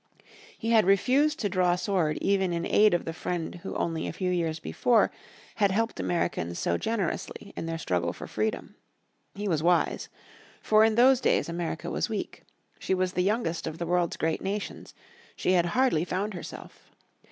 He had refused to draw sword even in aid of the friend who only a few years before had helped Americans so generously in their struggle for freedom. He was wise. For in those days America was weak. She was the youngest of the world's great nations, she had hardly "found herself."